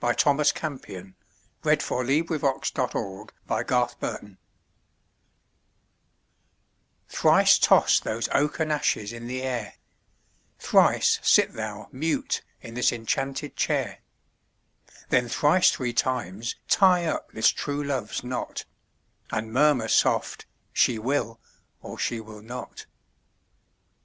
Thomas Campion Thrice Toss Those Oaken Ashes in the Air THRICE toss those oaken ashes in the air; Thrice sit thou mute in this enchanted chair; Then thrice three times tie up this true love's knot, And murmur soft: "She will, or she will not."